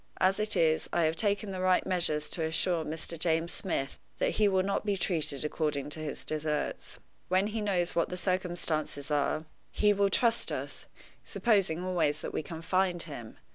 As it is, I have taken the right measures to assure Mr. James Smith that he will not be treated according to his deserts. When he knows what the circumstances are, he will trust us supposing always that we can find him.